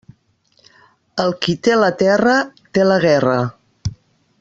El qui té la terra té la guerra.